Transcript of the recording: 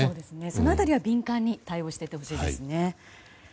その辺りは敏感に対応していってほしいですね。